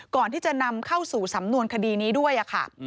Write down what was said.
ก่อนที่จะนำเข้าสู่สำนวนคดีนี้ด้วยค่ะ